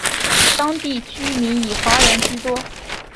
当地居民以华人居多。